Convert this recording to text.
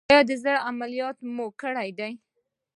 ایا د زړه عملیات مو کړی دی؟